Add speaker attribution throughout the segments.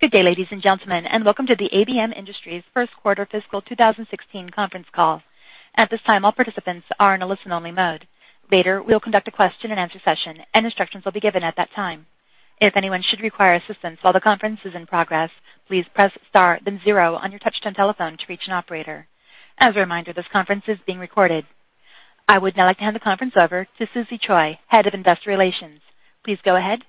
Speaker 1: Good day, ladies and gentlemen, and welcome to the ABM Industries first quarter fiscal 2016 conference call. At this time, all participants are in a listen-only mode. Later, we'll conduct a question-and-answer session, and instructions will be given at that time. If anyone should require assistance while the conference is in progress, please press star then zero on your touch-tone telephone to reach an operator. As a reminder, this conference is being recorded. I would now like to hand the conference over to Susie Choi, Head of Investor Relations. Please go ahead.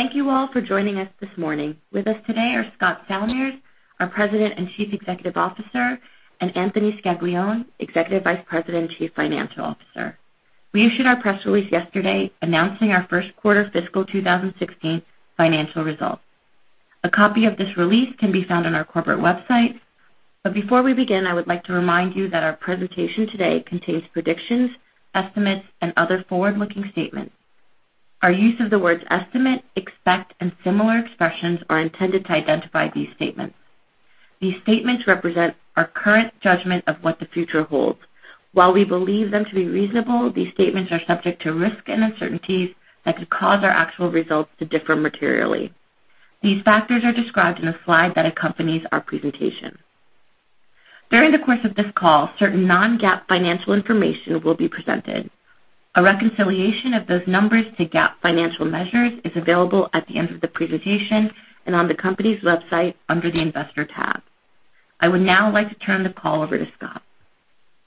Speaker 2: Thank you all for joining us this morning. With us today are Scott Salmirs, our President and Chief Executive Officer, and Anthony Scaglione, Executive Vice President and Chief Financial Officer. We issued our press release yesterday announcing our first quarter fiscal 2016 financial results. A copy of this release can be found on our corporate website. Before we begin, I would like to remind you that our presentation today contains predictions, estimates, and other forward-looking statements. Our use of the words "estimate," "expect," and similar expressions are intended to identify these statements. These statements represent our current judgment of what the future holds. While we believe them to be reasonable, these statements are subject to risks and uncertainties that could cause our actual results to differ materially. These factors are described in a slide that accompanies our presentation. During the course of this call, certain non-GAAP financial information will be presented. A reconciliation of those numbers to GAAP financial measures is available at the end of the presentation and on the company's website under the Investor tab. I would now like to turn the call over to Scott.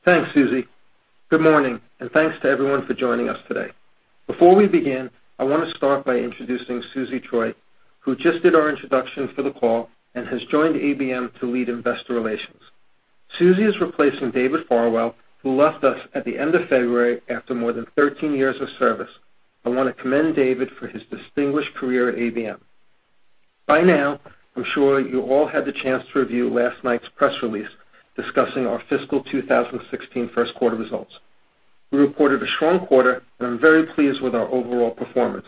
Speaker 3: Thanks, Susie. Good morning, and thanks to everyone for joining us today. Before we begin, I want to start by introducing Susie Choi, who just did our introduction for the call and has joined ABM to lead investor relations. Susie is replacing David Farwell, who left us at the end of February after more than 13 years of service. I want to commend David for his distinguished career at ABM. By now, I'm sure you all had the chance to review last night's press release discussing our fiscal 2016 first quarter results. We reported a strong quarter, and I'm very pleased with our overall performance.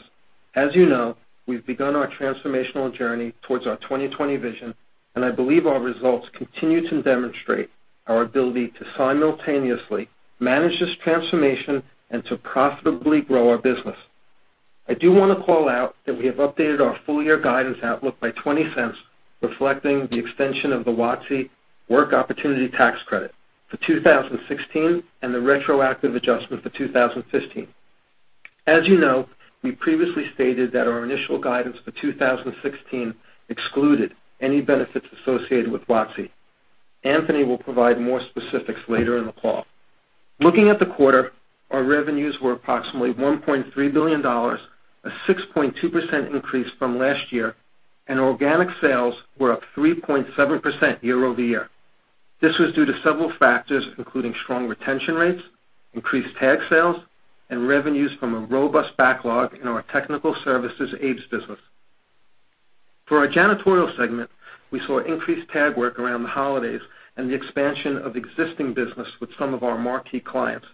Speaker 3: As you know, we've begun our transformational journey towards our 2020 Vision, and I believe our results continue to demonstrate our ability to simultaneously manage this transformation and to profitably grow our business. I do want to call out that we have updated our full-year guidance outlook by $0.20, reflecting the extension of the WOTC, Work Opportunity Tax Credit, for 2016 and the retroactive adjustment for 2015. As you know, we previously stated that our initial guidance for 2016 excluded any benefits associated with WOTC. Anthony will provide more specifics later in the call. Looking at the quarter, our revenues were approximately $1.3 billion, a 6.2% increase from last year, and organic sales were up 3.7% year-over-year. This was due to several factors, including strong retention rates, increased TAG sales, and revenues from a robust backlog in our technical services ABES business. For our janitorial segment, we saw increased TAG work around the holidays and the expansion of existing business with some of our marquee clients.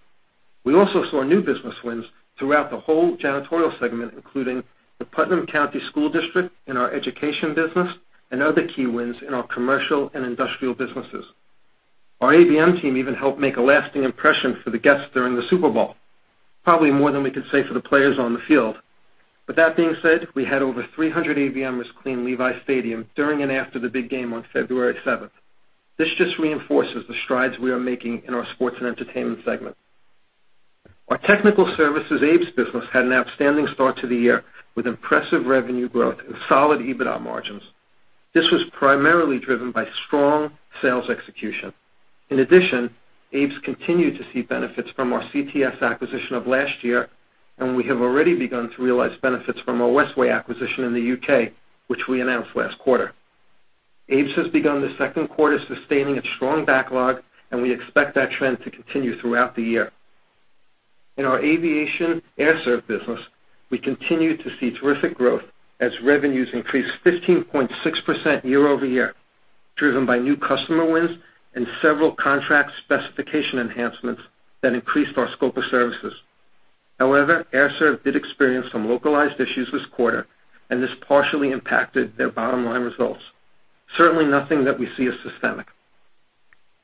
Speaker 3: We also saw new business wins throughout the whole janitorial segment, including the Putnam County School District in our education business and other key wins in our commercial and industrial businesses. Our ABM team even helped make a lasting impression for the guests during the Super Bowl, probably more than we could say for the players on the field. With that being said, we had over 300 ABMers clean Levi's Stadium during and after the big game on February 7th. This just reinforces the strides we are making in our sports and entertainment segment. Our technical services ABES business had an outstanding start to the year with impressive revenue growth and solid EBITDA margins. This was primarily driven by strong sales execution. In addition, ABES continued to see benefits from our CTS acquisition of last year, and we have already begun to realize benefits from our Westway acquisition in the U.K., which we announced last quarter. ABES has begun the second quarter sustaining its strong backlog, and we expect that trend to continue throughout the year. In our aviation Air Serv business, we continue to see terrific growth as revenues increased 15.6% year-over-year, driven by new customer wins and several contract specification enhancements that increased our scope of services. However, Air Serv did experience some localized issues this quarter, and this partially impacted their bottom-line results. Certainly nothing that we see as systemic.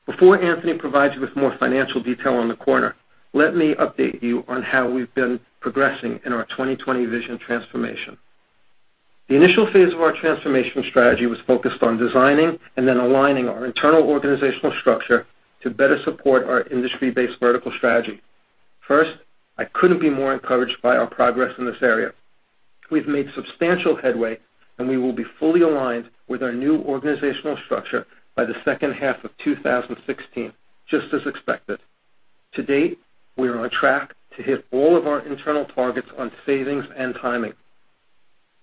Speaker 3: Before Anthony provides you with more financial detail on the quarter, let me update you on how we've been progressing in our 2020 Vision transformation. The initial phase of our transformation strategy was focused on designing and then aligning our internal organizational structure to better support our industry-based vertical strategy. I couldn't be more encouraged by our progress in this area. We've made substantial headway, and we will be fully aligned with our new organizational structure by the second half of 2016, just as expected. To date, we are on track to hit all of our internal targets on savings and timing.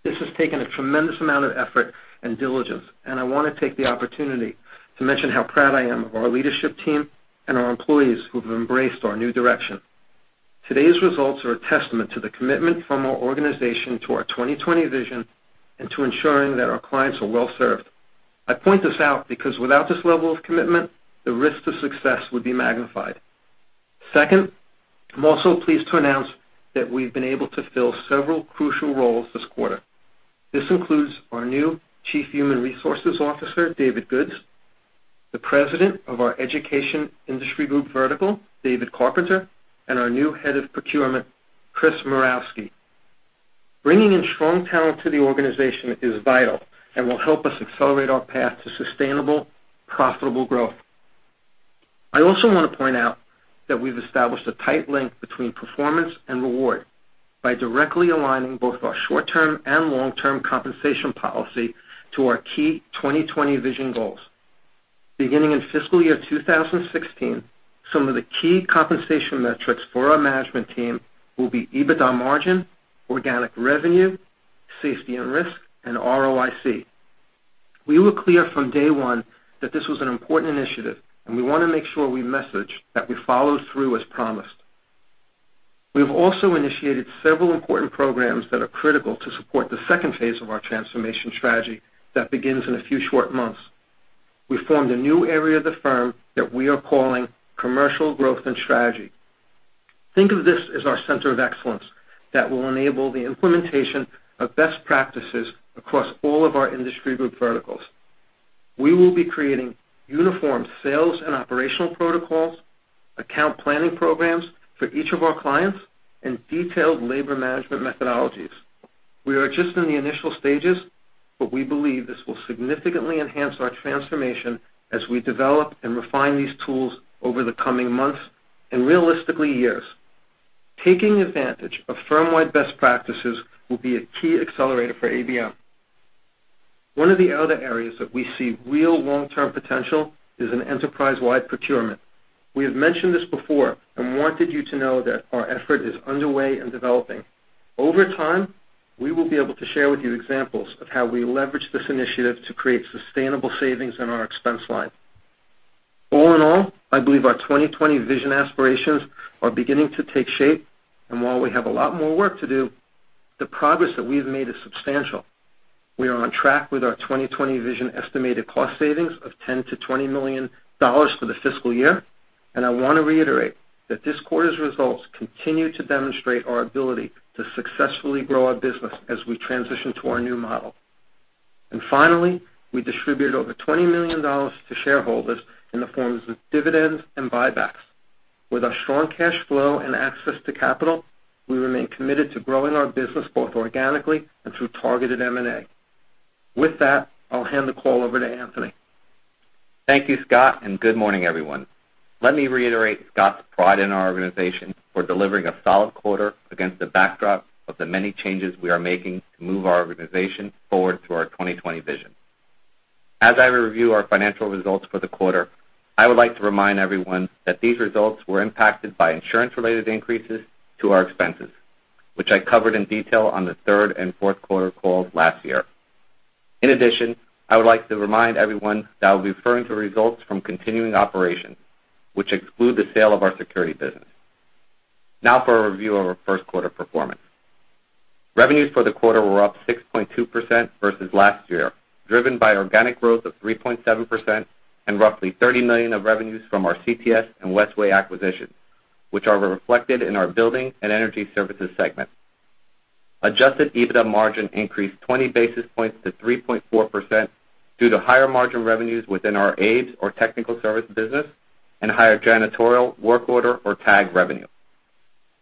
Speaker 3: This has taken a tremendous amount of effort and diligence, and I want to take the opportunity to mention how proud I am of our leadership team and our employees who have embraced our new direction. Today's results are a testament to the commitment from our organization to our 2020 Vision and to ensuring that our clients are well-served. I point this out because without this level of commitment, the risk to success would be magnified. Second, I am also pleased to announce that we have been able to fill several crucial roles this quarter. This includes our new Chief Human Resources Officer, David Goodes, the President of our Education Industry Group vertical, David Carpenter, and our new head of procurement, Chris Murawski. Bringing in strong talent to the organization is vital and will help us accelerate our path to sustainable, profitable growth. I also want to point out that we have established a tight link between performance and reward by directly aligning both our short-term and long-term compensation policy to our key 2020 Vision goals. Beginning in fiscal year 2016, some of the key compensation metrics for our management team will be EBITDA margin, organic revenue, safety and risk, and ROIC. We were clear from day one that this was an important initiative, and we want to make sure we message that we followed through as promised. We have also initiated several important programs that are critical to support the second phase of our transformation strategy that begins in a few short months. We formed a new area of the firm that we are calling Commercial Growth and Strategy. Think of this as our center of excellence that will enable the implementation of best practices across all of our industry group verticals. We will be creating uniform sales and operational protocols, account planning programs for each of our clients, and detailed labor management methodologies. We are just in the initial stages, but we believe this will significantly enhance our transformation as we develop and refine these tools over the coming months and realistically, years. Taking advantage of firm-wide best practices will be a key accelerator for ABM. One of the other areas that we see real long-term potential is an enterprise-wide procurement. We have mentioned this before and wanted you to know that our effort is underway and developing. Over time, we will be able to share with you examples of how we leverage this initiative to create sustainable savings in our expense line. All in all, I believe our 2020 Vision aspirations are beginning to take shape, and while we have a lot more work to do, the progress that we have made is substantial. We are on track with our 2020 Vision estimated cost savings of $10 million-$20 million for the fiscal year, and I want to reiterate that this quarter's results continue to demonstrate our ability to successfully grow our business as we transition to our new model. Finally, we distribute over $20 million to shareholders in the forms of dividends and buybacks. With our strong cash flow and access to capital, we remain committed to growing our business both organically and through targeted M&A. With that, I will hand the call over to Anthony.
Speaker 4: Thank you, Scott, and good morning, everyone. Let me reiterate Scott's pride in our organization for delivering a solid quarter against the backdrop of the many changes we are making to move our organization forward to our 2020 Vision. As I review our financial results for the quarter, I would like to remind everyone that these results were impacted by insurance-related increases to our expenses, which I covered in detail on the third and fourth quarter calls last year. In addition, I would like to remind everyone that I will be referring to results from continuing operations, which exclude the sale of our security business. Now for a review of our first quarter performance. Revenues for the quarter were up 6.2% versus last year, driven by organic growth of 3.7% and roughly $30 million of revenues from our CTS and Westway acquisitions, which are reflected in our Building & Energy Solutions segment. Adjusted EBITDA margin increased 20 basis points to 3.4% due to higher margin revenues within our ABES or technical service business, and higher janitorial work order or TAG revenue.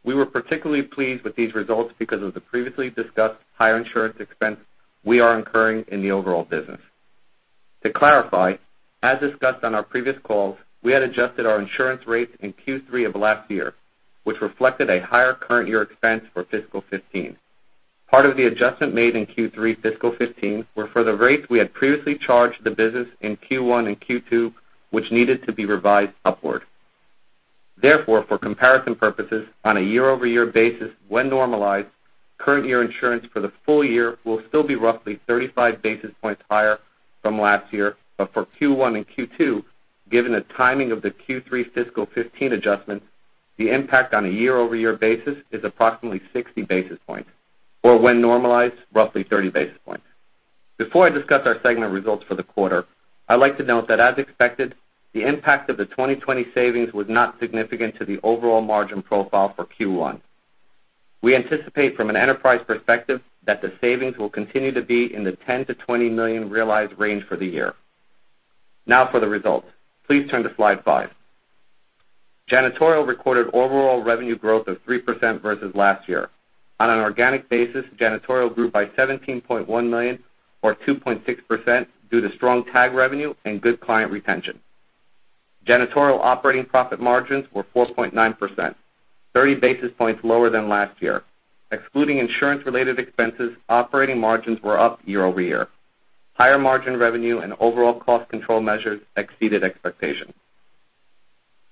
Speaker 4: We were particularly pleased with these results because of the previously discussed higher insurance expense we are incurring in the overall business. To clarify, as discussed on our previous calls, we had adjusted our insurance rates in Q3 of last year, which reflected a higher current year expense for fiscal 2015. Part of the adjustment made in Q3 fiscal 2015 were for the rates we had previously charged the business in Q1 and Q2, which needed to be revised upward. For comparison purposes, on a year-over-year basis when normalized, current year insurance for the full year will still be roughly 35 basis points higher from last year. For Q1 and Q2, given the timing of the Q3 fiscal 2015 adjustments, the impact on a year-over-year basis is approximately 60 basis points, or when normalized, roughly 30 basis points. Before I discuss our segment results for the quarter, I would like to note that as expected, the impact of the 2020 Vision savings was not significant to the overall margin profile for Q1. We anticipate from an enterprise perspective that the savings will continue to be in the $10 million to $20 million realized range for the year. For the results. Please turn to slide five. Janitorial recorded overall revenue growth of 3% versus last year. On an organic basis, janitorial grew by $17.1 million or 2.6% due to strong TAG revenue and good client retention. Janitorial operating profit margins were 4.9%, 30 basis points lower than last year. Excluding insurance-related expenses, operating margins were up year-over-year. Higher margin revenue and overall cost control measures exceeded expectations.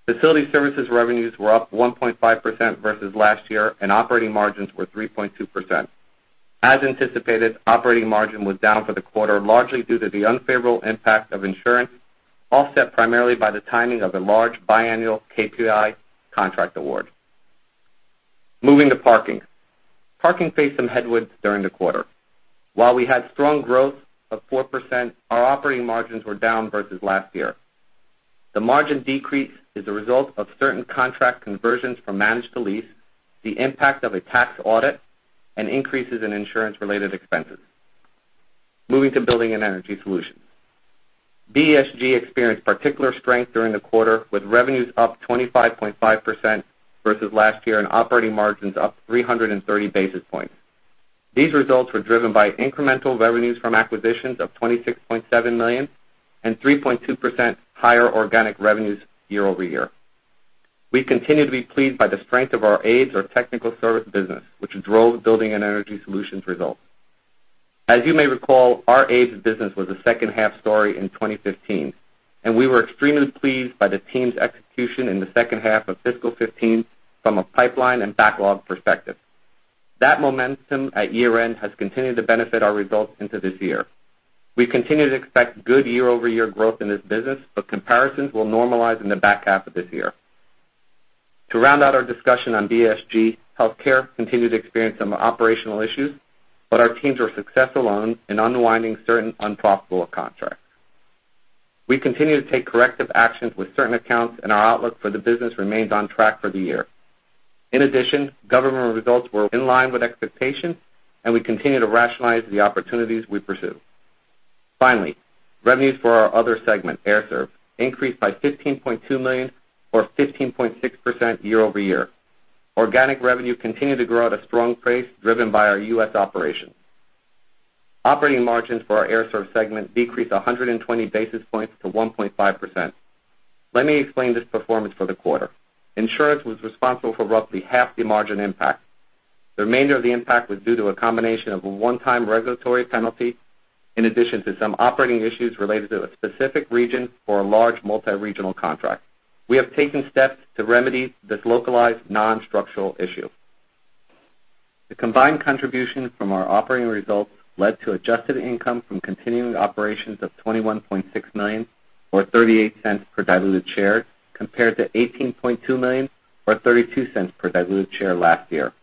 Speaker 4: Facility services revenues were up 1.5% versus last year, and operating margins were 3.2%. As anticipated, operating margin was down for the quarter, largely due to the unfavorable impact of insurance, offset primarily by the timing of the large biannual KPI contract award. Moving to parking. Parking faced some headwinds during the quarter. While we had strong growth of 4%, our operating margins were down versus last year. The margin decrease is a result of certain contract conversions from managed to lease, the impact of a tax audit, and increases in insurance-related expenses. Moving to Building & Energy Solutions. BES experienced particular strength during the quarter, with revenues up 25.5% versus last year and operating margins up 330 basis points. These results were driven by incremental revenues from acquisitions of $26.7 million and 3.2% higher organic revenues year-over-year. We continue to be pleased by the strength of our ABES or technical service business, which drove Building & Energy Solutions results. As you may recall, our ABES business was a second-half story in 2015, and we were extremely pleased by the team's execution in the second half of fiscal 2015 from a pipeline and backlog perspective. That momentum at year-end has continued to benefit our results into this year. We continue to expect good year-over-year growth in this business, comparisons will normalize in the back half of this year. To round out our discussion on BES, healthcare continued to experience some operational issues, our teams were successful in unwinding certain unprofitable contracts. We continue to take corrective actions with certain accounts, our outlook for the business remains on track for the year. In addition, government results were in line with expectations, we continue to rationalize the opportunities we pursue. Finally, revenues for our other segment, Air Serv, increased by $15.2 million or 15.6% year-over-year. Organic revenue continued to grow at a strong pace driven by our U.S. operations. Operating margins for our Air Serv segment decreased 120 basis points to 1.5%. Let me explain this performance for the quarter. Insurance was responsible for roughly half the margin impact. The remainder of the impact was due to a combination of a one-time regulatory penalty in addition to some operating issues related to a specific region for a large multi-regional contract. We have taken steps to remedy this localized non-structural issue. The combined contribution from our operating results led to adjusted income from continuing operations of $21.6 million or $0.38 per diluted share, compared to $18.2 million or $0.32 per diluted share last year.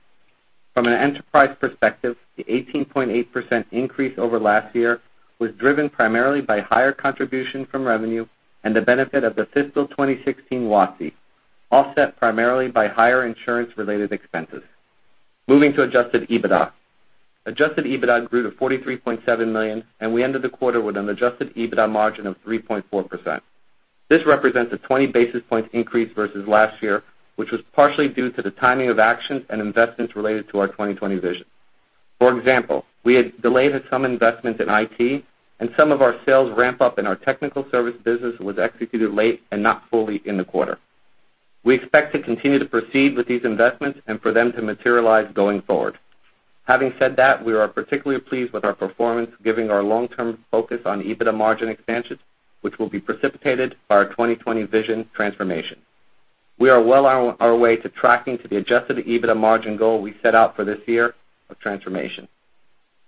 Speaker 4: From an enterprise perspective, the 18.8% increase over last year was driven primarily by higher contribution from revenue and the benefit of the fiscal 2016 WOTC, offset primarily by higher insurance-related expenses. Moving to adjusted EBITDA. Adjusted EBITDA grew to $43.7 million, we ended the quarter with an adjusted EBITDA margin of 3.4%. This represents a 20 basis points increase versus last year, which was partially due to the timing of actions and investments related to our 2020 Vision. For example, we had delayed some investments in IT, some of our sales ramp-up in our technical service business was executed late and not fully in the quarter. We expect to continue to proceed with these investments for them to materialize going forward. Having said that, we are particularly pleased with our performance giving our long-term focus on EBITDA margin expansion, which will be precipitated by our 2020 Vision transformation. We are well on our way to tracking to the adjusted EBITDA margin goal we set out for this year of transformation.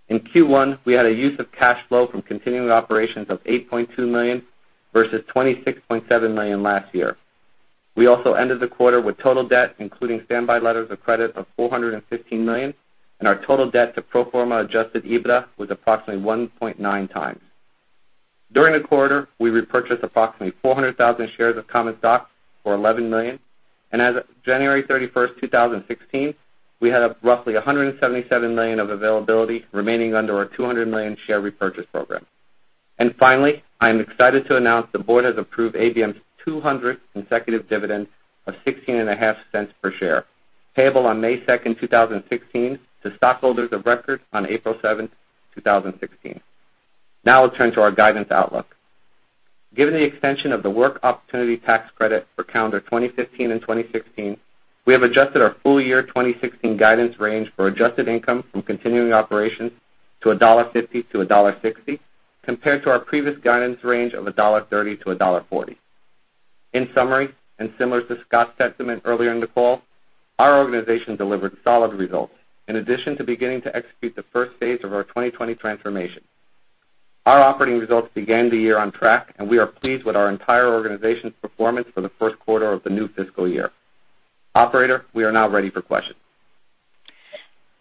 Speaker 4: In Q1, we had a use of cash flow from continuing operations of $8.2 million versus $26.7 million last year. We also ended the quarter with total debt, including standby letters of credit of $415 million, and our total debt to pro forma adjusted EBITDA was approximately 1.9x. During the quarter, we repurchased approximately 400,000 shares of common stock for $11 million. As of January 31st, 2016, we had roughly $177 million of availability remaining under our $200 million share repurchase program. Finally, I am excited to announce the board has approved ABM's 200th consecutive dividend of $0.165 per share, payable on May 2nd, 2016, to stockholders of record on April 7th, 2016. Now let's turn to our guidance outlook. Given the extension of the Work Opportunity Tax Credit for calendar 2015 and 2016, we have adjusted our full year 2016 guidance range for adjusted income from continuing operations to $1.50-$1.60, compared to our previous guidance range of $1.30-$1.40. In summary, and similar to Scott's sentiment earlier in the call, our organization delivered solid results in addition to beginning to execute the first phase of our 2020 Vision. Our operating results began the year on track. We are pleased with our entire organization's performance for the first quarter of the new fiscal year. Operator, we are now ready for questions.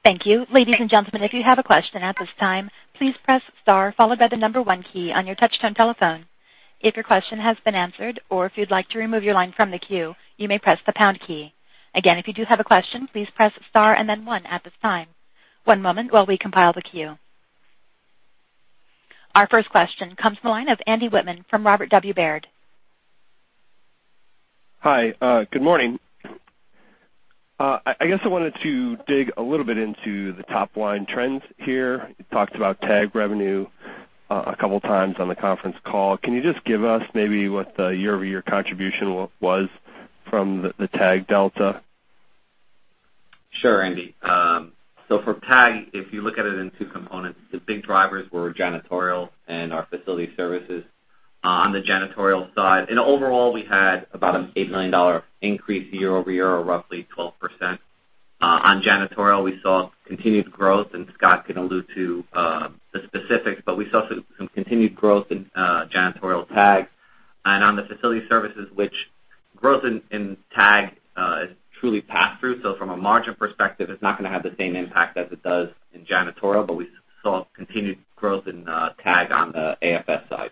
Speaker 1: Thank you. Ladies and gentlemen, if you have a question at this time, please press star followed by the number one key on your touch-tone telephone. If your question has been answered or if you'd like to remove your line from the queue, you may press the pound key. Again, if you do have a question, please press star and then one at this time. One moment while we compile the queue. Our first question comes from the line of Andy Wittmann from Robert W. Baird.
Speaker 5: Hi. Good morning. I guess I wanted to dig a little bit into the top-line trends here. You talked about TAG revenue a couple of times on the conference call. Can you just give us maybe what the year-over-year contribution was from the TAG delta?
Speaker 4: Sure, Andy. For TAG, if you look at it in two components, the big drivers were janitorial and our facility services. On the janitorial side, in overall, we had about an $8 million increase year-over-year or roughly 12%. On janitorial, we saw continued growth, and Scott can allude to the specifics, but we saw some continued growth in janitorial TAG. On the facility services, which growth in Tag, truly pass through. From a margin perspective, it's not going to have the same impact as it does in janitorial, but we saw continued growth in TAG on the AFS side.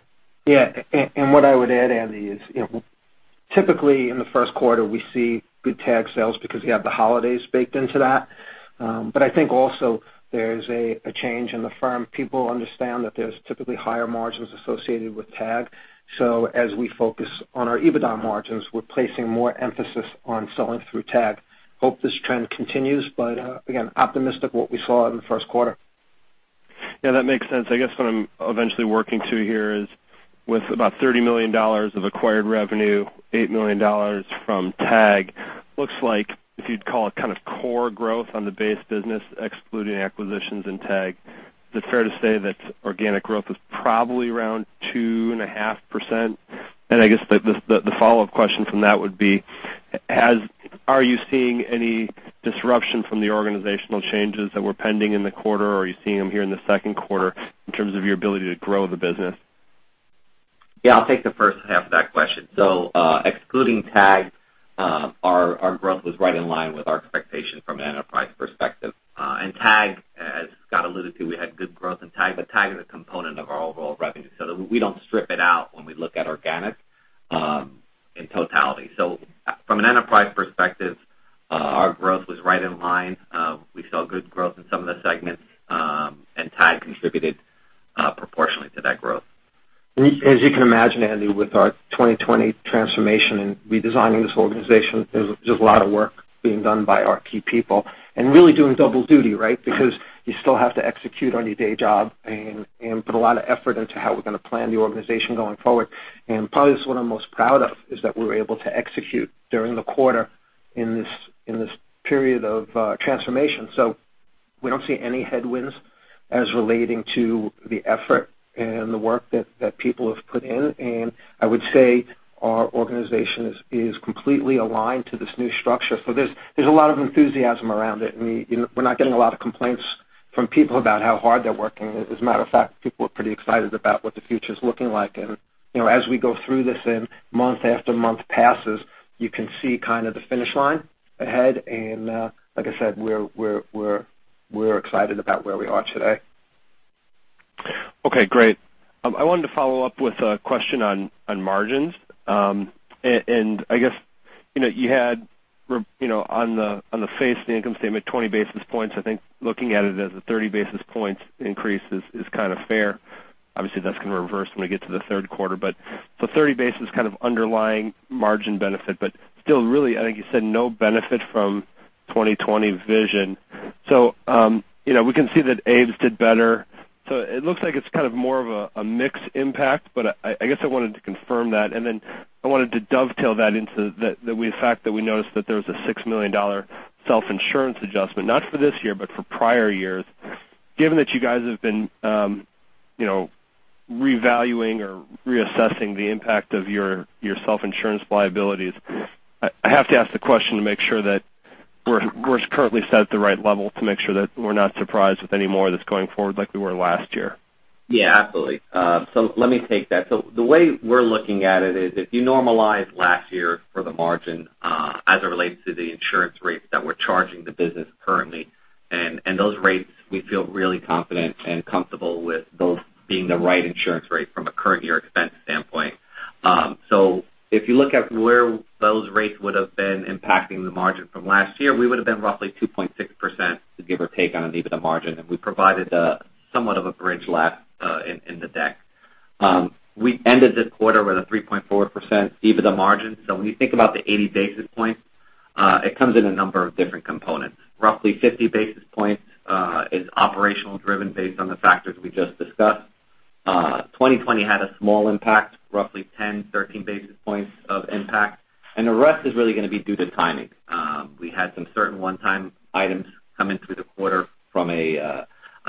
Speaker 3: What I would add, Andy, is typically in the first quarter, we see good TAG sales because you have the holidays baked into that. I think also there's a change in the firm. People understand that there's typically higher margins associated with TAG. As we focus on our EBITDA margins, we're placing more emphasis on selling through TAG. Hope this trend continues, but again, optimistic what we saw in the first quarter.
Speaker 5: That makes sense. I guess what I'm eventually working to here is with about $30 million of acquired revenue, $8 million from TAG, looks like if you'd call it kind of core growth on the base business, excluding acquisitions and TAG, is it fair to say that organic growth was probably around 2.5%? I guess the follow-up question from that would be, are you seeing any disruption from the organizational changes that were pending in the quarter, or are you seeing them here in the second quarter in terms of your ability to grow the business?
Speaker 4: Yeah, I'll take the first half of that question. Excluding TAG, our growth was right in line with our expectation from an enterprise perspective. TAG, as Scott alluded to, we had good growth in TAG, but TAG is a component of our overall revenue. We don't strip it out when we look at organic in totality. From an enterprise perspective, our growth was right in line. We saw good growth in some of the segments, and TAG contributed proportionally to that growth.
Speaker 3: As you can imagine, Andy, with our 2020 transformation and redesigning this organization, there's a lot of work being done by our key people and really doing double duty, right? Because you still have to execute on your day job and put a lot of effort into how we're going to plan the organization going forward. Probably this is what I'm most proud of, is that we were able to execute during the quarter in this period of transformation. We don't see any headwinds as relating to the effort and the work that people have put in. I would say our organization is completely aligned to this new structure. There's a lot of enthusiasm around it, and we're not getting a lot of complaints from people about how hard they're working. As a matter of fact, people are pretty excited about what the future's looking like. As we go through this and month after month passes, you can see kind of the finish line ahead. Like I said, we're excited about where we are today.
Speaker 5: Okay, great. I wanted to follow up with a question on margins. I guess, you had on the face of the income statement, 20 basis points. I think looking at it as a 30 basis points increase is kind of fair. Obviously, that's going to reverse when we get to the third quarter. 30 basis kind of underlying margin benefit, but still really, I think you said no benefit from 2020 Vision. We can see that ABES did better. It looks like it's kind of more of a mix impact, but I guess I wanted to confirm that, and then I wanted to dovetail that into the fact that we noticed that there was a $6 million self-insurance adjustment, not for this year, but for prior years. Given that you guys have been revaluing or reassessing the impact of your self-insurance liabilities, I have to ask the question to make sure that we're currently set at the right level to make sure that we're not surprised with any more that's going forward like we were last year.
Speaker 4: Yeah, absolutely. Let me take that. The way we're looking at it is if you normalize last year for the margin as it relates to the insurance rates that we're charging the business currently, and those rates we feel really confident and comfortable with both being the right insurance rate from a current year expense standpoint. If you look at where those rates would've been impacting the margin from last year, we would've been roughly 2.6%, give or take, on an EBITDA margin, and we provided somewhat of a [inaudible] in the deck. We ended this quarter with a 3.4% EBITDA margin. When you think about the 80 basis points, it comes in a number of different components. Roughly 50 basis points is operational driven based on the factors we just discussed. 2020 had a small impact, roughly 10 basis points, 13 basis points of impact, the rest is really going to be due to timing. We had some certain one-time items come in through the quarter from a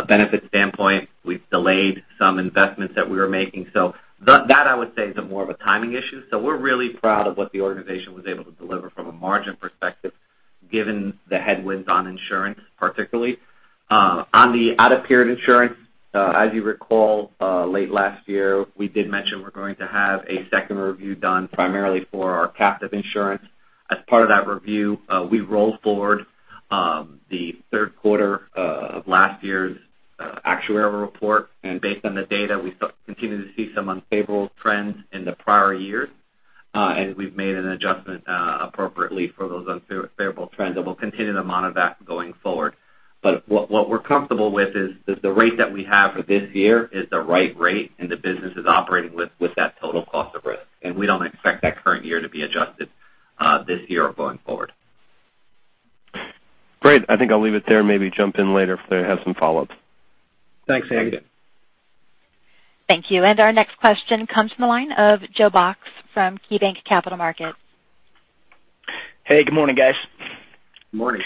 Speaker 4: benefit standpoint. We've delayed some investments that we were making. That I would say is more of a timing issue. We're really proud of what the organization was able to deliver from a margin perspective, given the headwinds on insurance, particularly. On the out-of-period insurance, as you recall, late last year, we did mention we're going to have a second review done primarily for our captive insurance. As part of that review, we rolled forward the third quarter of last year's actuarial report. Based on the data, we continue to see some unfavorable trends in the prior years. We've made an adjustment appropriately for those unfavorable trends, and we'll continue to monitor that going forward. What we're comfortable with is that the rate that we have for this year is the right rate, and the business is operating with that total cost of risk. We don't expect that current year to be adjusted this year or going forward.
Speaker 5: Great. I think I'll leave it there and maybe jump in later if I have some follow-ups.
Speaker 3: Thanks, Andy.
Speaker 1: Thank you. Our next question comes from the line of Joe Box from KeyBanc Capital Markets.
Speaker 6: Hey, good morning, guys.
Speaker 3: Morning.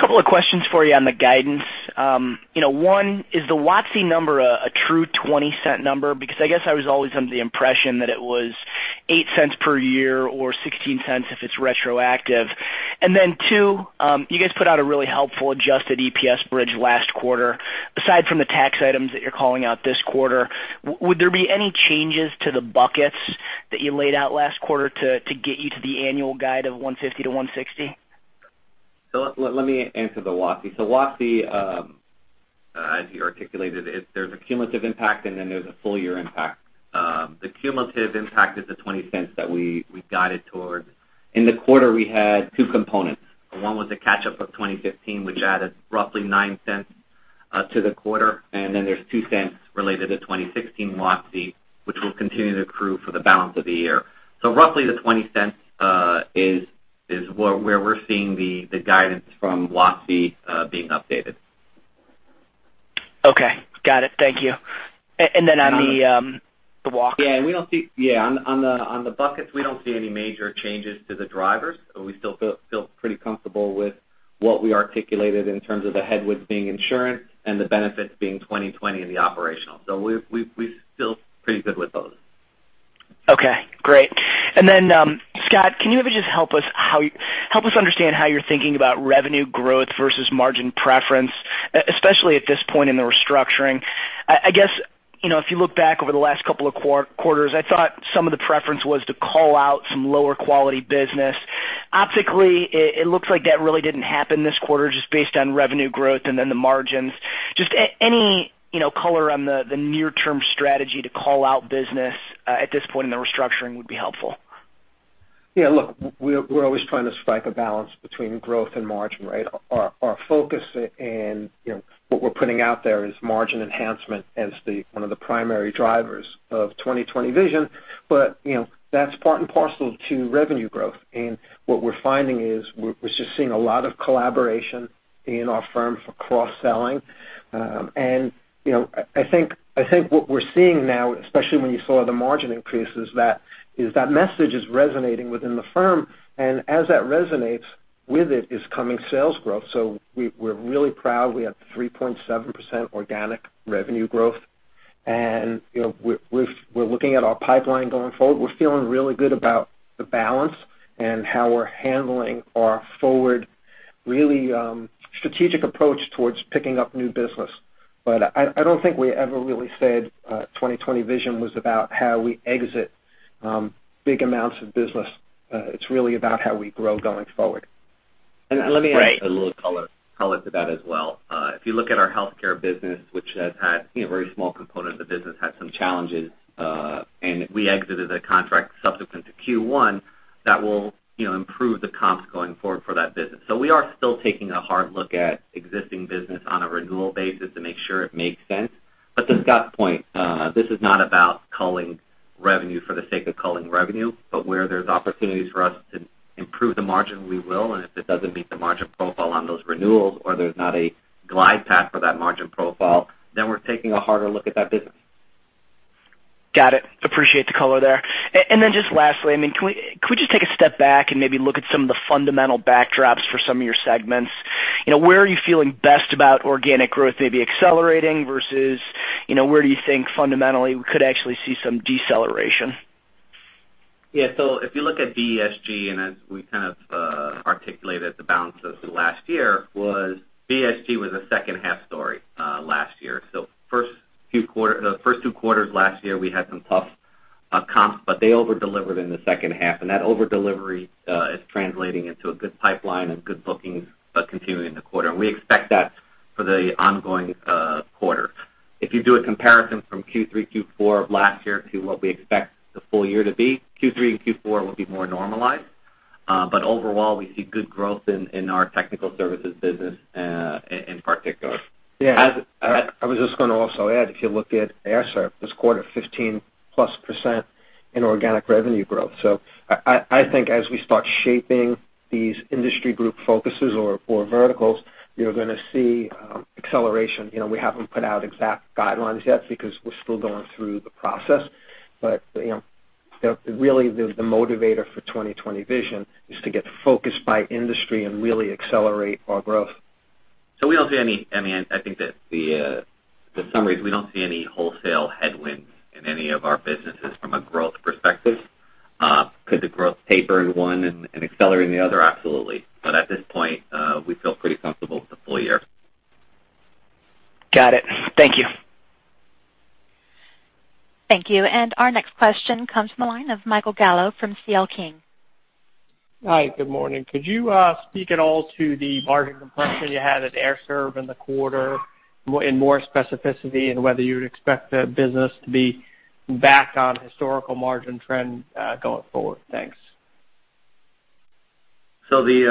Speaker 6: A couple of questions for you on the guidance. One, is the WOTC number a true $0.20 number? Because I guess I was always under the impression that it was $0.08 per year or $0.16 if it's retroactive. Then two, you guys put out a really helpful adjusted EPS bridge last quarter. Aside from the tax items that you're calling out this quarter, would there be any changes to the buckets that you laid out last quarter to get you to the annual guide of $1.50 to $1.60?
Speaker 4: Let me answer the WOTC. WOTC, as you articulated it, there's a cumulative impact, and then there's a full year impact. The cumulative impact is the $0.20 that we guided towards. In the quarter, we had two components. One was a catch-up of 2015, which added roughly $0.09 to the quarter, and then there's $0.02 related to 2016 WOTC, which will continue to accrue for the balance of the year. Roughly the $0.20 is where we're seeing the guidance from WOTC being updated.
Speaker 6: Okay. Got it. Thank you.
Speaker 4: On the buckets, we don't see any major changes to the drivers. We still feel pretty comfortable with what we articulated in terms of the headwinds being insurance and the benefits being 2020 Vision in the operational. We feel pretty good with those.
Speaker 6: Okay, great. Scott, can you maybe just help us understand how you're thinking about revenue growth versus margin preference, especially at this point in the restructuring? I guess, if you look back over the last couple of quarters, I thought some of the preference was to call out some lower quality business. Optically, it looks like that really didn't happen this quarter, just based on revenue growth and then the margins. Just any color on the near term strategy to call out business at this point in the restructuring would be helpful.
Speaker 3: Yeah, look, we're always trying to strike a balance between growth and margin, right? Our focus and what we're putting out there is margin enhancement as one of the primary drivers of 2020 Vision. That's part and parcel to revenue growth. What we're finding is we're just seeing a lot of collaboration in our firm for cross-selling. I think what we're seeing now, especially when you saw the margin increases, is that message is resonating within the firm, and as that resonates, with it is coming sales growth. We're really proud we had 3.7% organic revenue growth, and we're looking at our pipeline going forward. We're feeling really good about the balance and how we're handling our forward, really strategic approach towards picking up new business. I don't think we ever really said 2020 Vision was about how we exit big amounts of business. It's really about how we grow going forward.
Speaker 4: Let me add a little color to that as well. If you look at our healthcare business, which a very small component of the business had some challenges, and we exited a contract subsequent to Q1, that will improve the comps going forward for that business. We are still taking a hard look at existing business on a renewal basis to make sure it makes sense. To Scott's point, this is not about culling revenue for the sake of culling revenue, but where there's opportunities for us to improve the margin, we will. If it doesn't meet the margin profile on those renewals, or there's not a glide path for that margin profile, we're taking a harder look at that business.
Speaker 6: Got it. Appreciate the color there. Just lastly, can we just take a step back and maybe look at some of the fundamental backdrops for some of your segments? Where are you feeling best about organic growth maybe accelerating versus where do you think fundamentally we could actually see some deceleration?
Speaker 4: If you look at TSG, and as we kind of articulated the balance of last year, TSG was a second half story last year. The first two quarters last year, we had some tough comps, but they over-delivered in the second half, and that over-delivery is translating into a good pipeline and good bookings continuing in the quarter. We expect that for the ongoing quarter. If you do a comparison from Q3, Q4 of last year to what we expect the full year to be, Q3 and Q4 will be more normalized. Overall, we see good growth in our technical services business in particular.
Speaker 3: I was just going to also add, if you look at Air Serv this quarter, 15%+ in organic revenue growth. I think as we start shaping these industry group focuses or verticals, you're going to see acceleration. We haven't put out exact guidelines yet because we're still going through the process. Really the motivator for 2020 Vision is to get focused by industry and really accelerate our growth.
Speaker 4: I think that the summaries, we don't see any wholesale headwinds in any of our businesses from a growth perspective. Could the growth taper in one and accelerate in the other? Absolutely. At this point, we feel pretty comfortable with the full year.
Speaker 6: Got it. Thank you.
Speaker 1: Thank you. Our next question comes from the line of Michael Gallo from C.L. King.
Speaker 7: Hi. Good morning. Could you speak at all to the margin compression you had at Air Serv in the quarter in more specificity, and whether you'd expect the business to be back on historical margin trend going forward? Thanks.
Speaker 4: We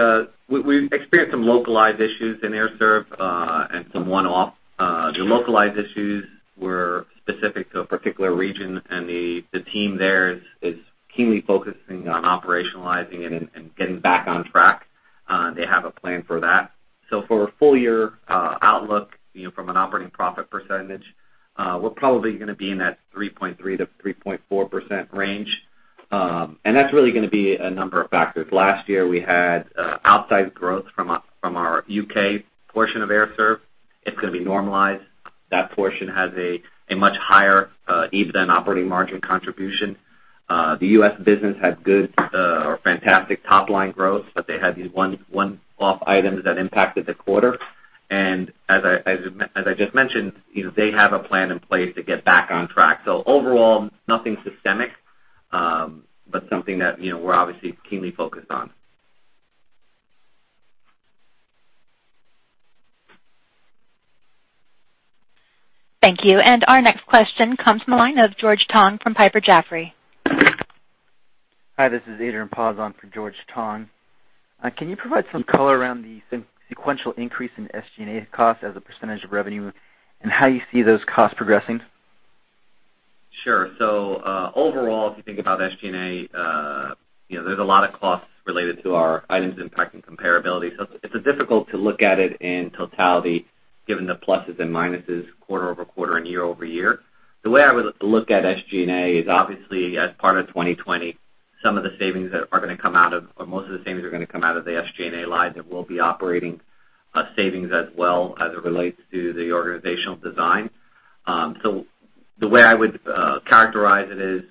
Speaker 4: experienced some localized issues in Air Serv and some one-off. The localized issues were specific to a particular region, and the team there is keenly focusing on operationalizing it and getting back on track. They have a plan for that. For a full year outlook from an operating profit percentage, we're probably going to be in that 3.3%-3.4% range. That's really going to be a number of factors. Last year, we had outsized growth from our U.K. portion of Air Serv. It's going to be normalized. That portion has a much higher EBITDA and operating margin contribution. The U.S. business had good or fantastic top-line growth, but they had these one-off items that impacted the quarter. As I just mentioned, they have a plan in place to get back on track. Overall, nothing systemic but something that we're obviously keenly focused on.
Speaker 1: Thank you. Our next question comes from the line of George Tong from Piper Jaffray.
Speaker 8: Hi, this is Adrian Paz on for George Tong. Can you provide some color around the sequential increase in SG&A costs as a percentage of revenue, and how you see those costs progressing?
Speaker 4: Sure. Overall, if you think about SG&A, there's a lot of costs related to our items impacting comparability. It's difficult to look at it in totality given the pluses and minuses quarter-over-quarter and year-over-year. The way I would look at SG&A is obviously as part of 2020 Vision, most of the savings are going to come out of the SG&A line that will be operating savings as well as it relates to the organizational design. The way I would characterize it is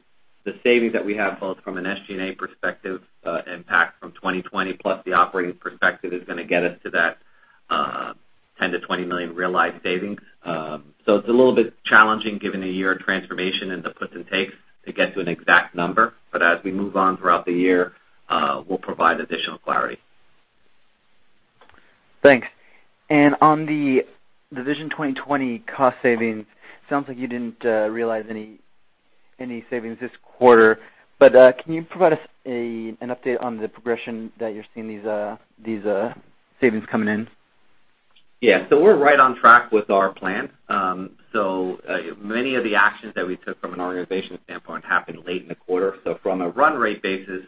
Speaker 4: the savings that we have, both from an SG&A perspective impact from 2020 Vision plus the operating perspective, is going to get us to that $10 million-$20 million realized savings. It's a little bit challenging given a year of transformation and the puts and takes to get to an exact number. As we move on throughout the year, we'll provide additional clarity.
Speaker 8: Thanks. On the 2020 Vision cost savings, sounds like you didn't realize any savings this quarter, can you provide us an update on the progression that you're seeing these savings coming in?
Speaker 4: Yeah. We're right on track with our plan. Many of the actions that we took from an organization standpoint happened late in the quarter. From a run rate basis,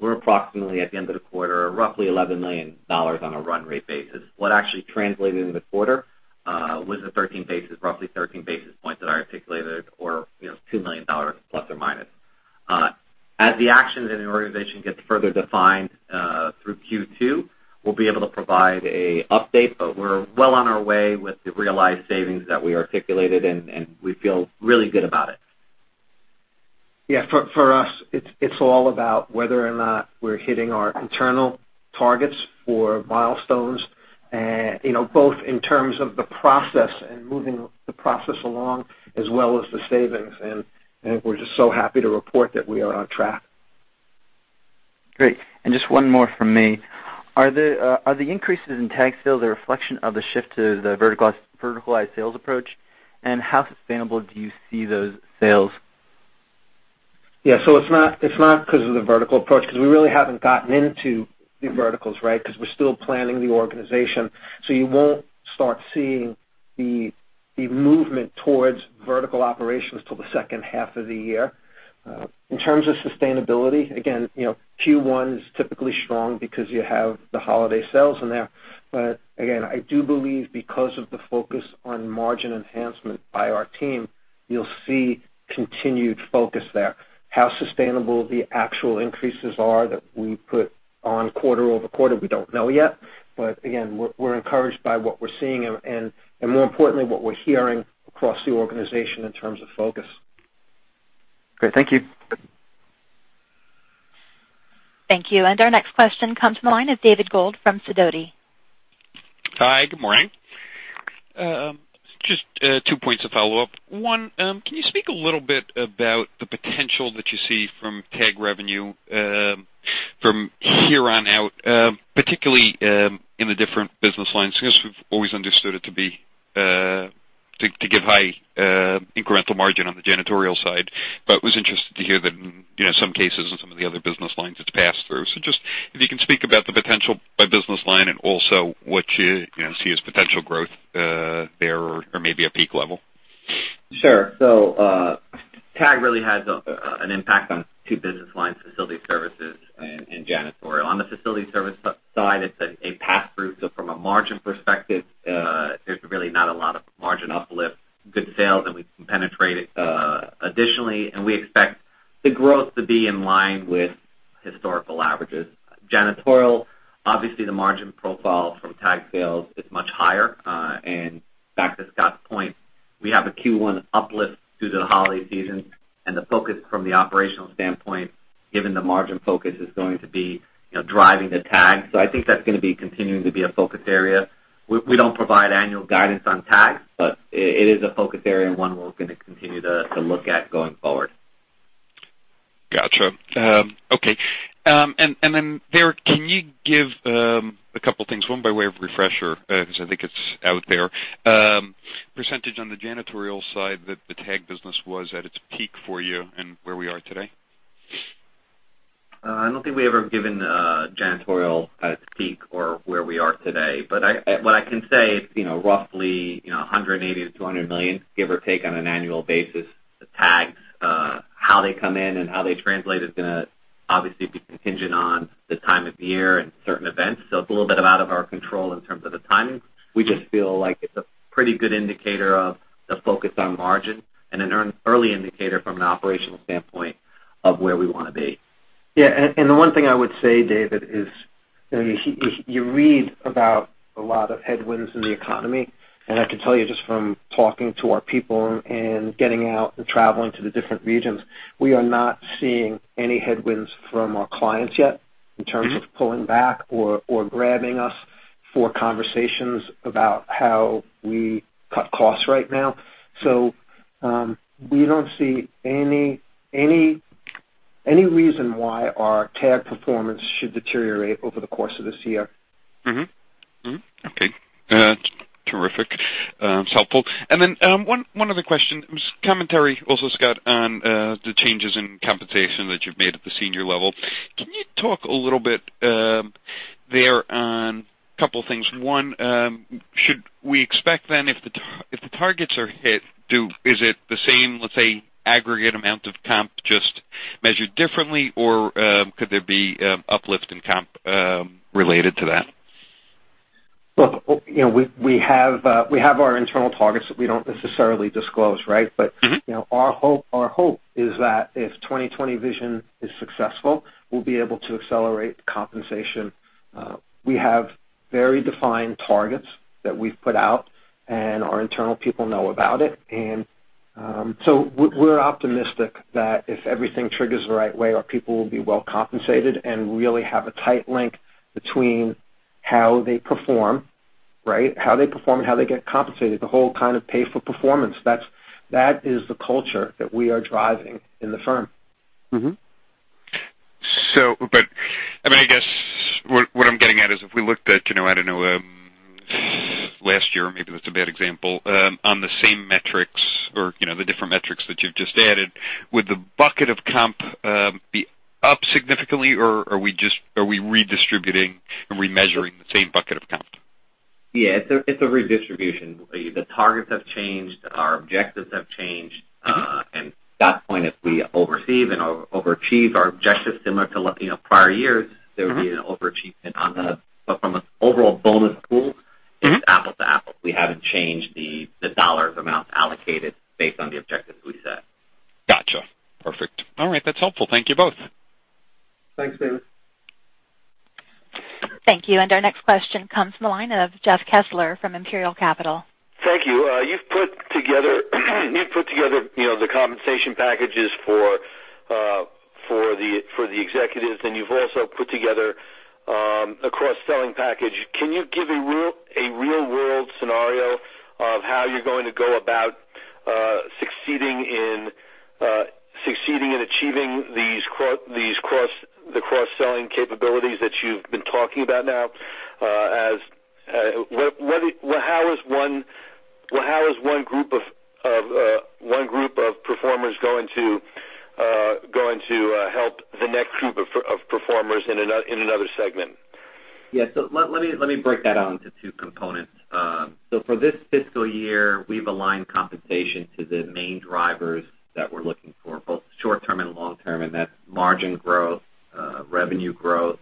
Speaker 4: we're approximately at the end of the quarter, roughly $11 million on a run rate basis. What actually translated in the quarter was roughly 13 basis points that I articulated or $2 million plus or minus. As the actions in the organization get further defined through Q2, we'll be able to provide an update, we're well on our way with the realized savings that we articulated, we feel really good about it.
Speaker 3: Yeah, for us, it's all about whether or not we're hitting our internal targets or milestones, both in terms of the process and moving the process along as well as the savings. We're just so happy to report that we are on track.
Speaker 8: Great. Just one more from me. Are the increases in TAG sales a reflection of the shift to the verticalized sales approach? How sustainable do you see those sales?
Speaker 3: Yeah. It's not because of the vertical approach, because we really haven't gotten into the verticals, right? We're still planning the organization. You won't start seeing the movement towards vertical operations till the second half of the year. In terms of sustainability, again, Q1 is typically strong because you have the holiday sales in there. Again, I do believe because of the focus on margin enhancement by our team, you'll see continued focus there. How sustainable the actual increases are that we put on quarter-over-quarter, we don't know yet. Again, we're encouraged by what we're seeing and more importantly, what we're hearing across the organization in terms of focus.
Speaker 8: Great. Thank you.
Speaker 1: Thank you. Our next question comes from the line of David Gold from Sidoti.
Speaker 9: Hi, good morning. Just two points of follow-up. One, can you speak a little bit about the potential that you see from TAG revenue from here on out, particularly in the different business lines? I guess we've always understood it to give high incremental margin on the janitorial side, but was interested to hear that in some cases in some of the other business lines, it's passed through. Just if you can speak about the potential by business line and also what you see as potential growth there or maybe a peak level.
Speaker 4: Sure. TAG really has an impact on two business lines, facility services and janitorial. On the facility service side, it's a pass-through. From a margin perspective, there's really not a lot of margin uplift, good sales that we can penetrate additionally, and we expect the growth to be in line with historical averages. Janitorial, obviously the margin profile from TAG sales is much higher. Back to Scott's point, we have a Q1 uplift due to the holiday season, and the focus from the operational standpoint, given the margin focus, is going to be driving the TAGs. I think that's going to be continuing to be a focus area. We do not provide annual guidance on TAGs, but it is a focus area and one we're going to continue to look at going forward.
Speaker 9: Got you. Okay. Derek, can you give a couple things, one by way of refresher, because I think it's out there. Percentage on the janitorial side that the TAG business was at its peak for you and where we are today.
Speaker 4: I do not think we've ever given janitorial at its peak or where we are today. What I can say is roughly $180 million-$200 million, give or take, on an annual basis to TAGs. How they come in and how they translate is going to obviously be contingent on the time of year and certain events. It's a little bit out of our control in terms of the timing. We just feel like it's a pretty good indicator of the focus on margin and an early indicator from an operational standpoint of where we want to be.
Speaker 3: Yeah. The one thing I would say, David, is you read about a lot of headwinds in the economy. I can tell you just from talking to our people and getting out and traveling to the different regions, we are not seeing any headwinds from our clients yet. In terms of pulling back or grabbing us for conversations about how we cut costs right now. We do not see any reason why our TAG performance should deteriorate over the course of this year.
Speaker 9: Okay. Terrific. It's helpful. One other question. Commentary also, Scott, on the changes in compensation that you've made at the senior level. Can you talk a little bit there on a couple of things? One, should we expect if the targets are hit, is it the same, let's say, aggregate amount of comp just measured differently, or could there be uplift in comp related to that?
Speaker 3: Look, we have our internal targets that we don't necessarily disclose, right? Our hope is that if 2020 Vision is successful, we'll be able to accelerate compensation. We have very defined targets that we've put out, and our internal people know about it. We're optimistic that if everything triggers the right way, our people will be well compensated and really have a tight link between how they perform and how they get compensated. The whole kind of pay for performance. That is the culture that we are driving in the firm.
Speaker 9: I guess what I'm getting at is if we looked at, I don't know, last year, maybe that's a bad example, on the same metrics or the different metrics that you've just added, would the bucket of comp be up significantly, or are we redistributing and remeasuring the same bucket of comp?
Speaker 4: Yeah, it's a redistribution. The targets have changed, our objectives have changed. Scott's point, if we overachieve our objectives similar to prior years. There would be an overachievement. From an overall bonus pool. It's apples to apples. We haven't changed the dollar amounts allocated based on the objectives we set.
Speaker 9: Got you. Perfect. All right. That's helpful. Thank you both.
Speaker 3: Thanks, David.
Speaker 1: Thank you. Our next question comes from the line of Jeff Kessler from Imperial Capital.
Speaker 10: Thank you. You've put together the compensation packages for the executives, and you've also put together a cross-selling package. Can you give a real-world scenario of how you're going to go about succeeding and achieving the cross-selling capabilities that you've been talking about now? How is one group of performers going to help the next group of performers in another segment?
Speaker 4: Yeah. Let me break that out into two components. For this fiscal year, we've aligned compensation to the main drivers that we're looking for, both short-term and long-term, and that's margin growth, revenue growth,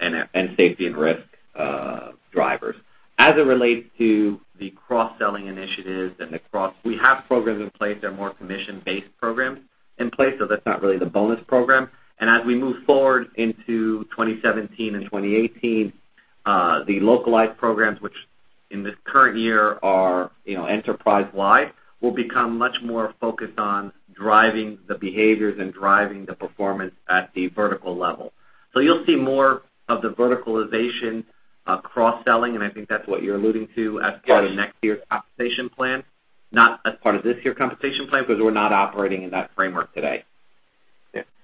Speaker 4: and safety and risk drivers. As it relates to the cross-selling initiatives and the programs in place that are more commission-based programs in place, that's not really the bonus program. As we move forward into 2017 and 2018, the localized programs, which in this current year are enterprise-wide, will become much more focused on driving the behaviors and driving the performance at the vertical level. You'll see more of the verticalization cross-selling, and I think that's what you're alluding to as part of next year's compensation plan, not as part of this year's compensation plan, because we're not operating in that framework today.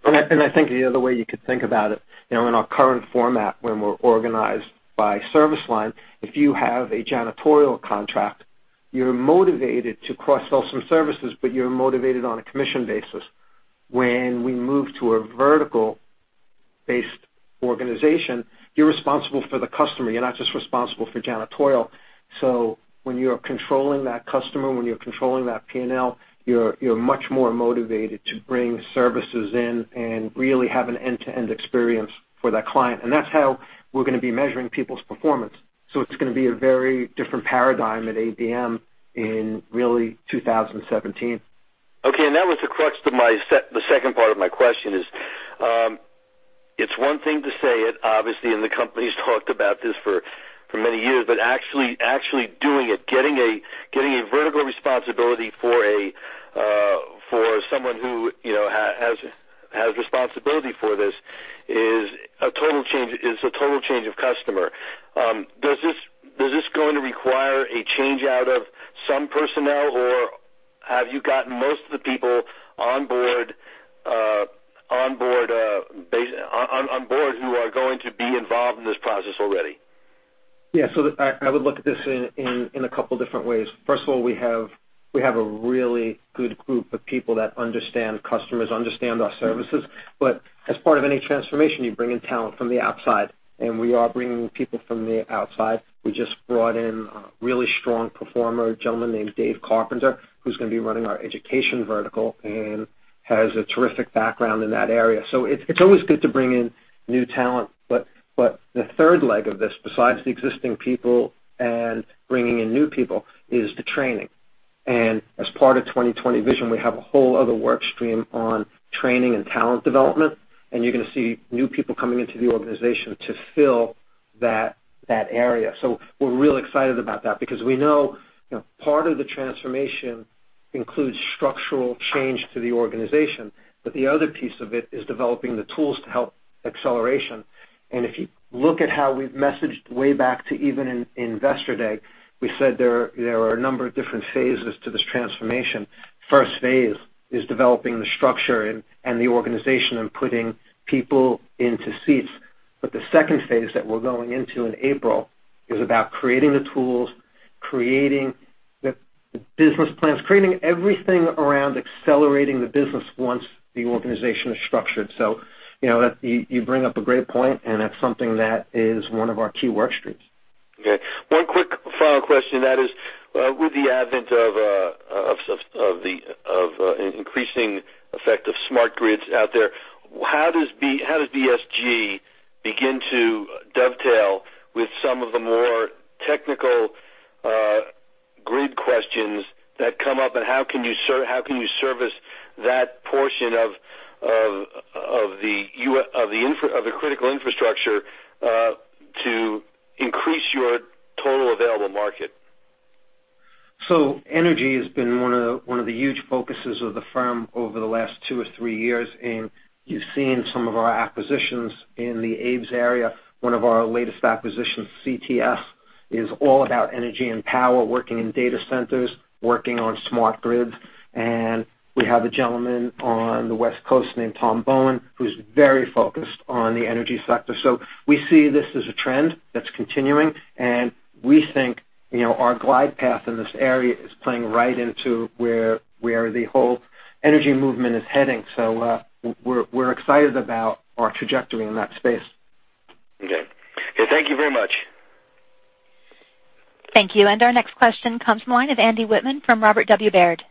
Speaker 3: I think the other way you could think about it, in our current format, when we're organized by service line, if you have a janitorial contract, you're motivated to cross-sell some services, but you're motivated on a commission basis. When we move to a vertical-based organization, you're responsible for the customer. You're not just responsible for janitorial. When you're controlling that customer, when you're controlling that P&L, you're much more motivated to bring services in and really have an end-to-end experience for that client. That's how we're going to be measuring people's performance. It's going to be a very different paradigm at ABM in really 2017.
Speaker 10: That was the crux to the second part of my question is, it's one thing to say it, obviously, and the company's talked about this for many years, but actually doing it, getting a vertical responsibility for someone who has responsibility for this is a total change of customer. Does this going to require a change out of some personnel, or have you gotten most of the people on board who are going to be involved in this process already?
Speaker 3: I would look at this in a couple of different ways. First of all, we have a really good group of people that understand customers, understand our services. As part of any transformation, you bring in talent from the outside, and we are bringing people from the outside. We just brought in a really strong performer, a gentleman named David Carpenter, who's going to be running our education vertical and has a terrific background in that area. It's always good to bring in new talent. The third leg of this, besides the existing people and bringing in new people, is the training. As part of 2020 Vision, we have a whole other work stream on training and talent development, and you're going to see new people coming into the organization to fill that area. We're real excited about that because we know part of the transformation includes structural change to the organization. The other piece of it is developing the tools to help acceleration. If you look at how we've messaged way back to even in Investor Day, we said there are a number of different phases to this transformation. First phase is developing the structure and the organization and putting people into seats. The second phase that we're going into in April is about creating the tools, creating the business plans, creating everything around accelerating the business once the organization is structured. You bring up a great point, and that's something that is one of our key work streams.
Speaker 10: Okay. One quick follow-up question, that is, with the advent of increasing effect of smart grids out there, how does TSG begin to dovetail with some of the more technical grid questions that come up? How can you service that portion of the critical infrastructure, to increase your total available market?
Speaker 3: Energy has been one of the huge focuses of the firm over the last two or three years, and you've seen some of our acquisitions in the ABES area. One of our latest acquisitions, CTS, is all about energy and power, working in data centers, working on smart grids. We have a gentleman on the West Coast named Tom Bowen, who's very focused on the energy sector. We see this as a trend that's continuing, and we think our glide path in this area is playing right into where the whole energy movement is heading. We're excited about our trajectory in that space.
Speaker 10: Okay. Thank you very much.
Speaker 1: Thank you. Our next question comes from the line of Andy Wittmann from Robert W. Baird.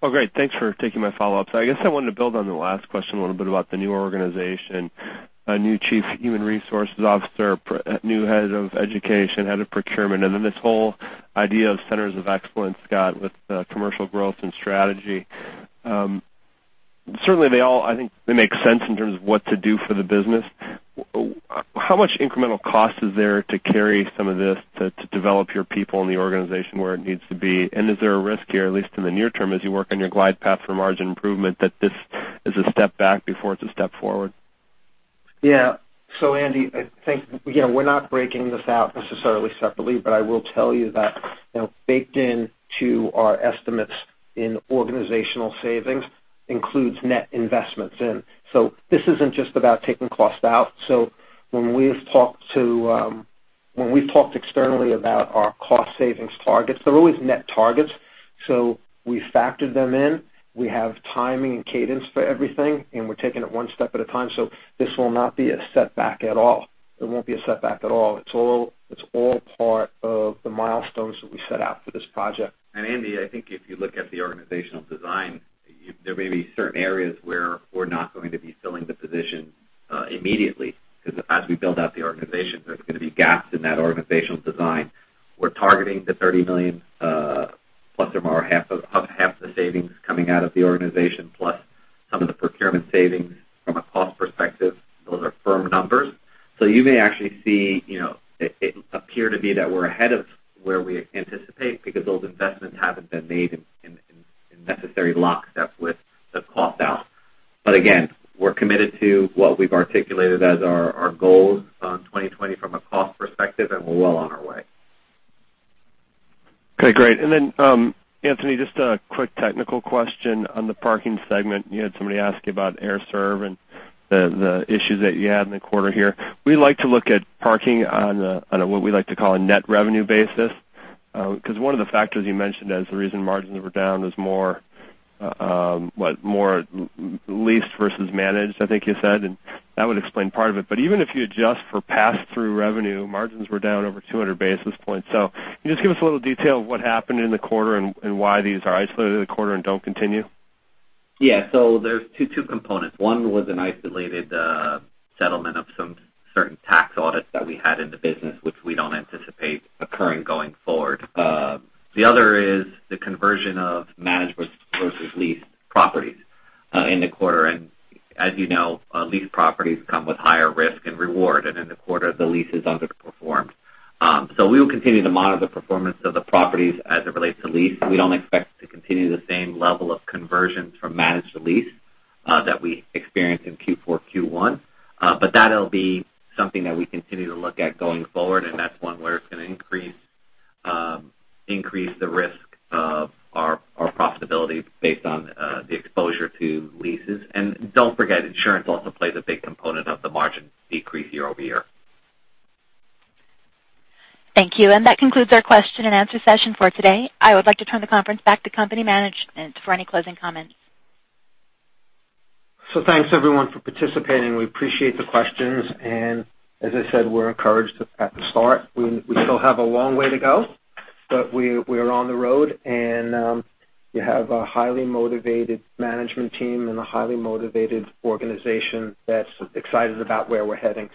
Speaker 5: Well, great. Thanks for taking my follow-up. I guess I wanted to build on the last question a little bit about the new organization, a new Chief Human Resources Officer, new Head of Education, Head of Procurement, and then this whole idea of centers of excellence, Scott, with Commercial Growth and Strategy. Certainly they all, I think, they make sense in terms of what to do for the business. How much incremental cost is there to carry some of this to develop your people in the organization where it needs to be? Is there a risk here, at least in the near term, as you work on your glide path for margin improvement, that this is a step back before it's a step forward?
Speaker 3: Yeah. Andy, I think we're not breaking this out necessarily separately, but I will tell you that baked into our estimates in organizational savings includes net investments in. This isn't just about taking cost out. When we've talked externally about our cost savings targets, they're always net targets. We factored them in. We have timing and cadence for everything, and we're taking it one step at a time. This will not be a setback at all. It won't be a setback at all. It's all part of the milestones that we set out for this project.
Speaker 4: Andy, I think if you look at the organizational design, there may be certain areas where we're not going to be filling the position immediately, because as we build out the organization, there's going to be gaps in that organizational design. We're targeting the $30 million plus or more, half the savings coming out of the organization, plus some of the procurement savings from a cost perspective. Those are firm numbers. You may actually see it appear to be that we're ahead of where we anticipate because those investments haven't been made in necessary lockstep with the cost out. Again, we're committed to what we've articulated as our goals on 2020 from a cost perspective, and we're well on our way.
Speaker 5: Okay, great. Then, Anthony, just a quick technical question on the parking segment. You had somebody ask you about Air Serv and the issues that you had in the quarter here. We like to look at parking on what we like to call a net revenue basis. One of the factors you mentioned as the reason margins were down was more leased versus managed, I think you said, and that would explain part of it. Even if you adjust for pass-through revenue, margins were down over 200 basis points. Can you just give us a little detail of what happened in the quarter and why these are isolated to the quarter and don't continue?
Speaker 4: Yeah. There's two components. One was an isolated settlement of some certain tax audits that we had in the business, which we don't anticipate occurring going forward. The other is the conversion of managed versus leased properties in the quarter. As you know, leased properties come with higher risk and reward. In the quarter, the leases underperformed. We will continue to monitor performance of the properties as it relates to lease. We don't expect to continue the same level of conversions from managed to lease that we experienced in Q4, Q1. That'll be something that we continue to look at going forward, and that's one where it's going to increase the risk of our profitability based on the exposure to leases. Don't forget, insurance also plays a big component of the margin decrease year-over-year.
Speaker 1: Thank you. That concludes our question and answer session for today. I would like to turn the conference back to company management for any closing comments.
Speaker 3: Thanks everyone for participating. We appreciate the questions. As I said, we're encouraged at the start. We still have a long way to go, but we are on the road, and you have a highly motivated management team and a highly motivated organization that's excited about where we're heading.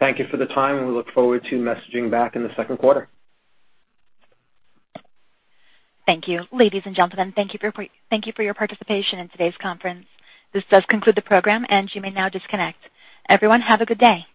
Speaker 3: Thank you for the time, and we look forward to messaging back in the second quarter.
Speaker 1: Thank you. Ladies and gentlemen, thank you for your participation in today's conference. This does conclude the program, and you may now disconnect. Everyone, have a good day.